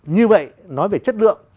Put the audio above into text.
như vậy nói về chất lượng